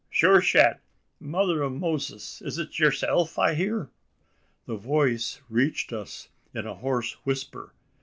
Shure shat! Mother ov Moses! is it yerself I hear?" The voice reached us in a hoarse whisper.